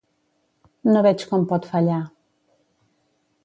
No veig com pot fallar.